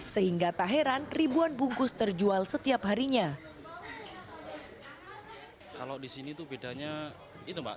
sehingga tak heran ribuan bungkus terjual setiap harinya kalau di sini tuh bedanya itu mbak